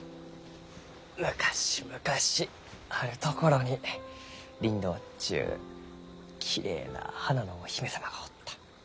昔々あるところにリンドウっちゅうきれいな花のお姫様がおった。